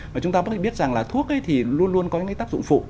và chúng ta cũng biết rằng là thuốc thì luôn luôn có những tác dụng phụ